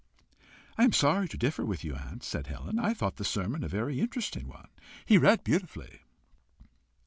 "I am sorry to differ from you, aunt," said Helen. "I thought the sermon a very interesting one. He read beautifully."